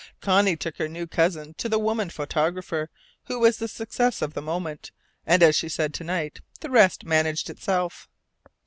Connie took her new cousin to the woman photographer who was the success of the moment; and, as she said to Knight, "the rest managed itself."